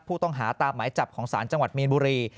ผู้ต้องหาตามหมายจับของศาลจังหวัดมีนบุรี